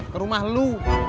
ke rumah lu